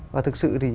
và thực sự thì